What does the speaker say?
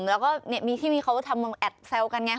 แล้วก็มีทีวีเขาทำแอดแซวกันไง